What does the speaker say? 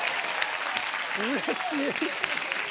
うれしい！